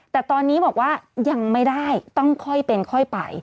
แต่ตอนนี้บอกว่ายังไม่ได้ต้องค่อยเป็นค่อยไป